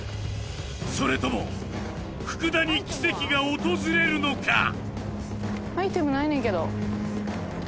それとも福田に奇跡が訪れるのか？